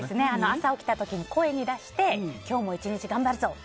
朝起きた時に、声に出して今日も１日頑張るぞって。